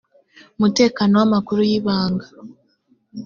mutekano w amakuru y ibanga